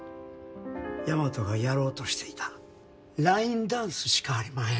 大和がやろうとしていたラインダンスしかありまへん。